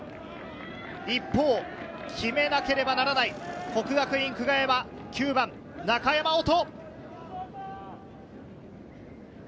一方、決めなければならない國學院久我山、９番・中山織斗。